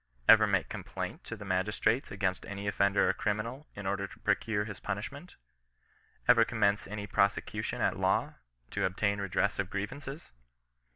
Ever make complaint to the magistrates against any oifender or criminal, in order to procure his punishment ? Ever commence any prosecution at law, to obtain redress of grievances